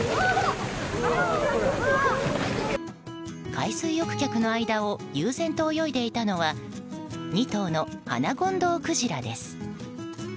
海水浴客の間を悠然と泳いでいたのは２頭のハナゴンドウクジラです。